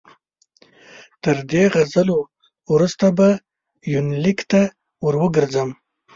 تر دې غزلو وروسته به یونلیک ته ور وګرځم.